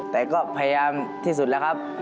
แต่ก็พยายามที่สุดแล้วครับ